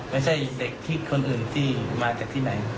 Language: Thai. ไม่ใช่เด็กคิดคนอื่นที่มาจากที่ไหน